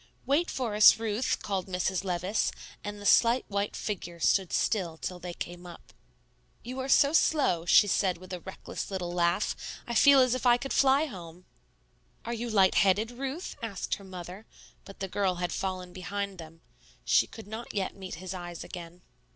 "Wait for us, Ruth," called Mrs. Levice, and the slight white figure stood still till they came up. "You are so slow," she said with a reckless little laugh; "I feel as if I could fly home." "Are you light headed, Ruth?" asked her mother, but the girl had fallen behind them. She could not yet meet his eyes again.